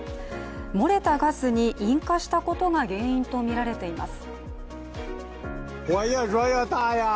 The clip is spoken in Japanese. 漏れたガスに引火したことが原因とみられています。